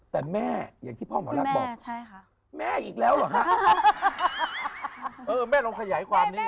แต่แม่อย่างที่พ่อหมอรับบอกแม่อีกแล้วหรอฮะ